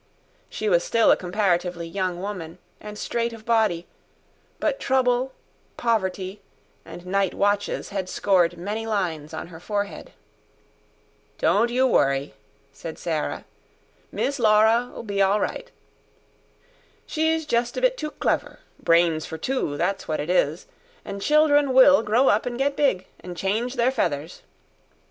She was still a comparatively young woman, and straight of body; but trouble, poverty and night watches had scored many lines on her forehead. "Don't you worry," said Sarah. "Miss Laura'll be all right. She's just a bit too clever brains for two, that's what it is. An' children WILL grow up an' get big ... an' change their feathers."